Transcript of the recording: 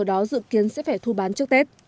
sau đó dự kiến sẽ phải thu bán trước tết